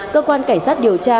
cơ quan cảnh sát điều tra